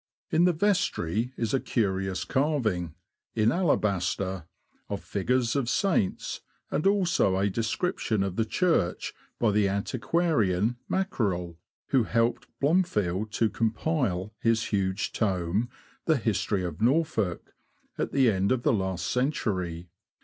In the vestry is a curious carving, in alabaster, of figures of saints, and A RAMBLE THROUGH NORWICH. 89 also a description of the church by the antiquarian Mackerell, who helped Blomfield to compile his huge tome "The History of Norfolk," at the end of the last century.